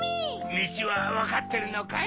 みちはわかってるのかい？